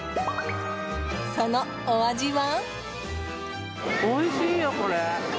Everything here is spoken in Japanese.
そのお味は？